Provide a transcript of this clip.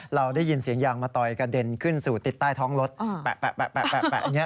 เราได้ยินเสียงยางมะตอยกระเด็นขึ้นสู่ติดใต้ท้องรถแปะอย่างนี้